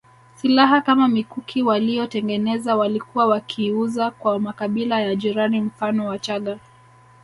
Silaha kama mikuki waliyotengeneza walikuwa wakiiuza kwa makabila ya jirani mfano Wachaga